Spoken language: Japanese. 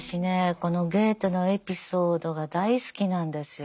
このゲーテのエピソードが大好きなんですよ。